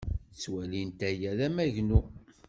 Ttwalint aya d amagnu.